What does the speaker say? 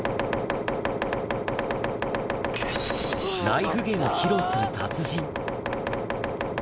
ナイフ芸を披露する達人。